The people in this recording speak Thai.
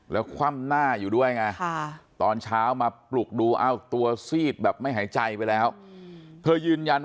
แล้วคว่ำหน้าอยู่ด้วยไงค่ะ